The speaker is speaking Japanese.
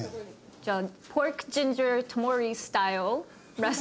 じゃあ。